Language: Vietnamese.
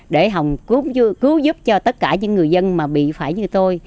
để hồng cứu giúp cho tất cả những người dân mà bị phải như tôi